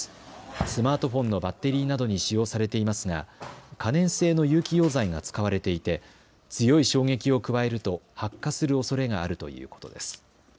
スマートフォンのバッテリーなどに使用されていますが可燃性の有機溶剤が使われていて強い衝撃を加えると発火するおそれがあるということです。